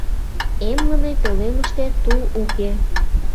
Эмлыме пӧлемыште тул уке.